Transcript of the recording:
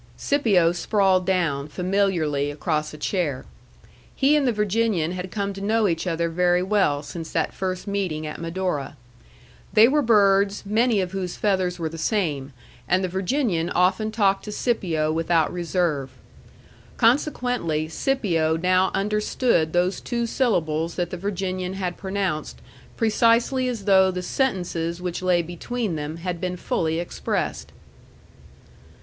Scipio sprawled down, familiarly, across a chair. He and the Virginian had come to know each other very well since that first meeting at Medora. They were birds many of whose feathers were the same, and the Virginian often talked to Scipio without reserve. Consequently, Scipio now understood those two syllables that the Virginian had pronounced precisely as though the sentences which lay between them had been fully expressed.